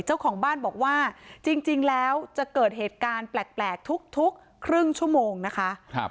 เจ้าของบ้านบอกว่าจริงแล้วจะเกิดเหตุการณ์แปลกทุกครึ่งชั่วโมงนะคะ